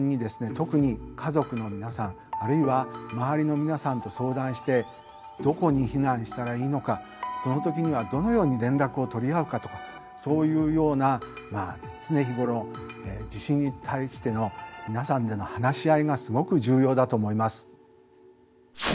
特に家族の皆さんあるいは周りの皆さんと相談してどこに避難したらいいのかその時にはどのように連絡を取り合うかとかそういうような常日頃地震に対しての皆さんでの話し合いがすごく重要だと思います。